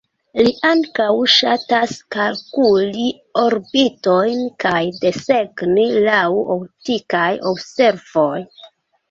Li ankaŭ ŝatas kalkuli orbitojn kaj desegni laŭ optikaj observoj.